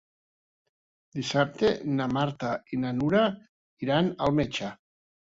Dissabte na Marta i na Nura iran al metge.